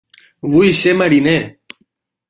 Vull ser mariner!